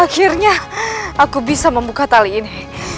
akhirnya aku bisa membuka tali ini